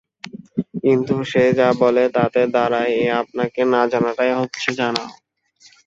কিন্তু সে যা বলে তাতে দাঁড়ায় এই আপনাকে না-জানাটাই হচ্ছে জানা।